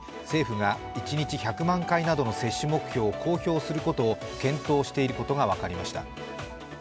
政府が１日１００万回などの接種目標を公表することを検討していることが分かりました。